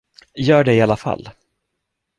Gör det i alla fall!